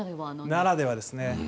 ならではです。